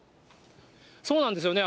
そうなんですよね。